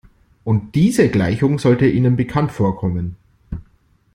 Und diese Gleichung sollte Ihnen bekannt vorkommen.